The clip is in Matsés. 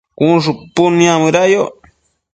cun shupud niamëda yoc